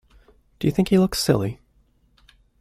Do you think he looks silly?